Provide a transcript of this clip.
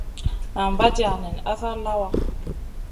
Nan vaadia nen asa lawa.